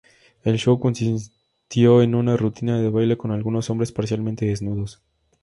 El show consistió en una rutina de baile con algunos hombres parcialmente desnudos.